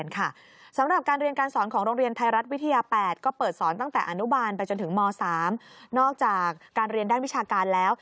การเรียนด้านวิชาการแล้ว